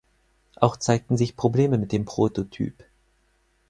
Auch zeigten sich Probleme mit dem Prototyp.